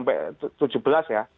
jadi dari tanggal sampai tujuh belas ya